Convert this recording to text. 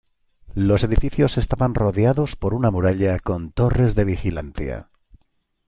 Los edificios estaban rodeados por una muralla con torres de vigilancia.